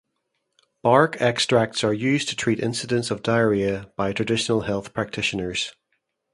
Bark extracts are used to treat incidents of diarrhea by traditional health practitioners.